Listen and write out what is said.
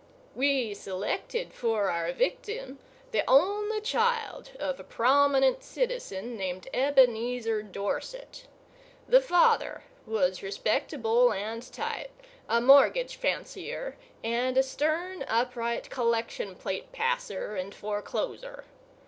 We selected for our victim the only child of a prominent citizen named Ebenezer Dorset. The father was respectable and tight, a mortgage fancier and a stern, upright collection plate passer and forecloser.